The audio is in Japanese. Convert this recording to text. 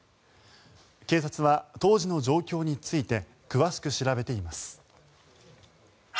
警察は当時の状況について詳しく調べています。